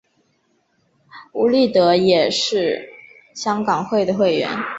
邬励德也是香港会的会员。